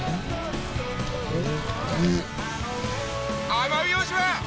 奄美大島！